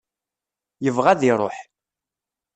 Yebɣa ad iruḥ.